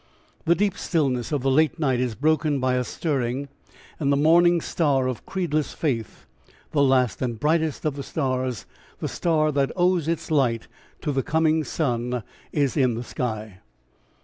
The deep stillness of the late night is broken by a stirring, and the morning star of creedless faith, the last and brightest of the stars, the star that owes its light to the coming sun is in the sky.